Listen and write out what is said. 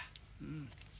うん。